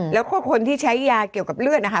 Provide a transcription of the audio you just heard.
แล้วก็คนที่ใช้ยาเกี่ยวกับเลือดนะคะ